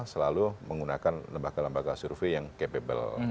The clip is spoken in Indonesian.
selalu menggunakan lembaga lembaga survei yang capable